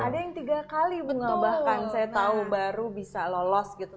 ada yang tiga kali bahkan saya tahu baru bisa lolos gitu